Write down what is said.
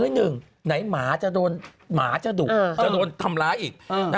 หนึ่งไหนหมาจะโดนตายถ้าหมาทำร้ายอีก